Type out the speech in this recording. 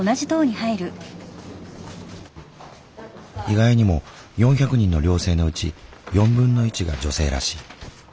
意外にも４００人の寮生のうち1/4が女性らしい。